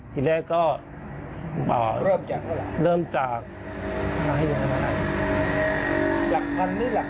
ทีแรกก็เริ่มจากหลักพันธุ์